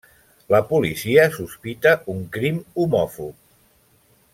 La policia sospita un crim homòfob.